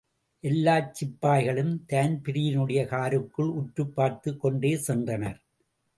எல்லாச் சிப்பாய்களும் தான்பிரீனுடைய காருக்குள் உற்றுப் பார்த்துக் கொண்டே சென்றனர்.